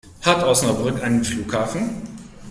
Hat Osnabrück einen Flughafen?